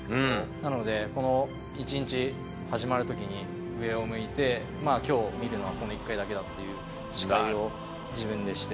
なので、この一日、始まるときに上を向いて、きょう見るのはこの１回だけだっていう誓いを自分でして。